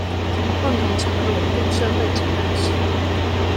共同成為穩定社會之磐石